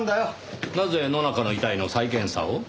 なぜ野中の遺体の再検査を？